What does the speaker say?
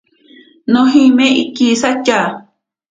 Nojime ikisatya.